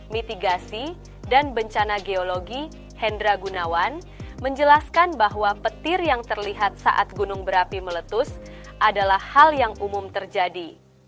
mitigasi dan bencana geologi hendra gunawan menjelaskan bahwa petir yang terlihat saat gunung berapi meletus adalah hal yang umum terjadi